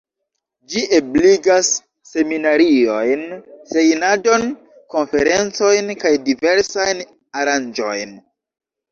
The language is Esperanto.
Ĝi ebligas seminariojn, trejnadon, konferencojn kaj diversajn aranĝojn.